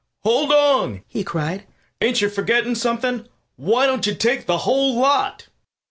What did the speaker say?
"Hold on!" he cried. "Ain't you forgetting something? Why don't you take the whole lot?"